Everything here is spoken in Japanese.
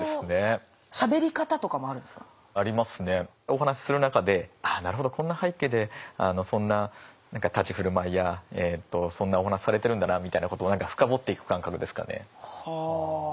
お話しする中であなるほどこんな背景でそんな立ち振る舞いやそんなお話されてるんだなみたいなことを深掘っていく感覚ですかね。